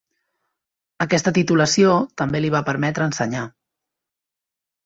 Aquesta titulació també li va permetre ensenyar.